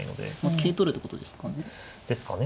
桂取るってことですかね。